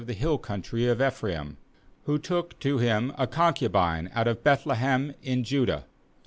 19 hill country of Ephraim, who took to him a concubine out of Beth lehem in Judah.